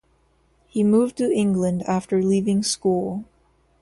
He moved to England after leaving school.